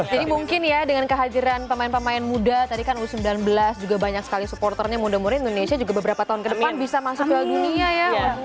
jadi mungkin ya dengan kehadiran pemain pemain muda tadi kan u sembilan belas juga banyak sekali supporternya muda muda indonesia juga beberapa tahun ke depan bisa masuk ke dunia ya